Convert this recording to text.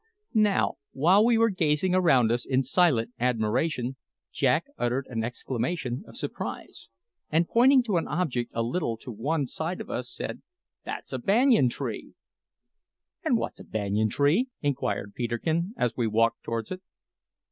Now, while we were gazing around us in silent admiration, Jack uttered an exclamation of surprise, and pointing to an object a little to one side of us, said: "That's a banyan tree." "And what's a banyan tree?" inquired Peterkin as we walked towards it.